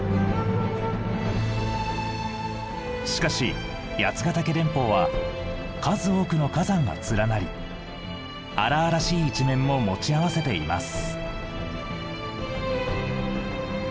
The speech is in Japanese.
しかし八ヶ岳連峰は数多くの火山が連なり荒々しい一面も持ち合わせています。